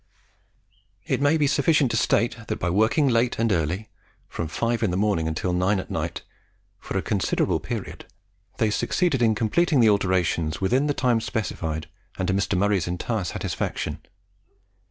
It may be sufficient to state that by working late and early from 5 in the morning until 9 at night for a considerable period they succeeded in completing the alterations within the time specified, and to Mr. Murray's entire satisfaction.